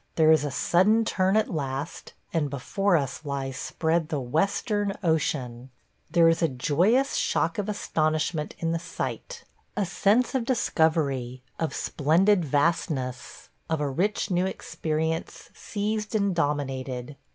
There is a sudden turn at last, and before us lies spread the Western Ocean! ... There is a joyous shock of astonishment in the sight. ... A sense of discovery, of splendid vastness, of a rich new experience seized and dominated.